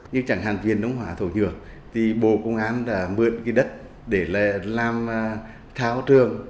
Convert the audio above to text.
như chẳng hạn viện đông hóa thổ nhược thì bộ công an đã mượn cái đất để làm tháo trường